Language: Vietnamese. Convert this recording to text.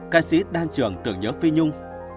ca sĩ đan trưởng thưởng nhớ phi nhung